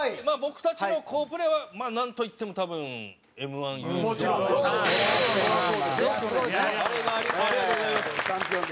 まあ僕たちの好プレーはなんといっても多分Ｍ−１優勝。